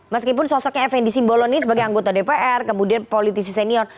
meskipun sosoknya fnd simbolon ini sebagai anggota dpr kemudian politisi senior